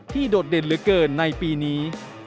โดดเด่นเหลือเกินในปีนี้